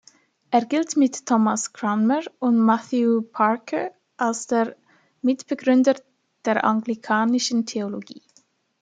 Er gilt mit Thomas Cranmer und Matthew Parker als der Mitbegründer der anglikanischen Theologie.